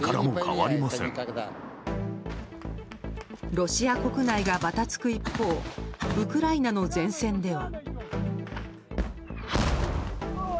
ロシア国内がばたつく一方ウクライナの前線では。